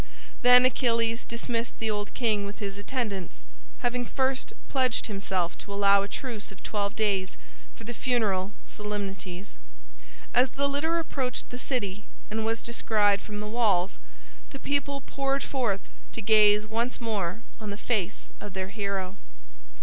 Then Achilles dismissed the old king with his attendants, having first pledged himself to allow a truce of twelve days for the funeral solemnities. As the litter approached the city and was descried from the walls, the people poured forth to gaze once more on the face of their hero.